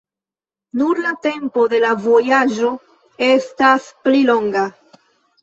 Nur la tempo de la vojaĝo estas pli longa.